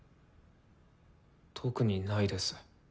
特にないです。